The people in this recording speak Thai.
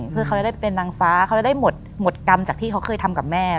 เพื่อเขาจะได้เป็นนางฟ้าเขาจะได้หมดกรรมจากที่เขาเคยทำกับแม่